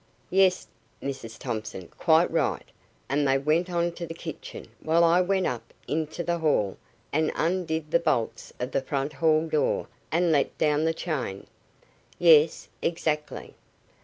"Yes, Mrs Thompson, quite right, and they went on to the kitchen while I went up into the hall, and undid the bolts of the front hall door, and let down the chain." "Yes exactly."